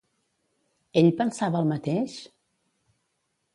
Ell pensava el mateix?